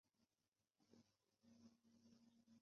夏军弄断白龙江桥。